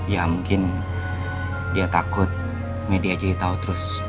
ya mungkin dia takut media jadi tahu terus